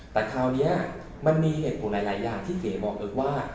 แต่คราวนี้มันมีเหตุผลหลายอย่างที่เก๋บอกเอิร์กว่า